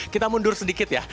kita mundur sedikit ya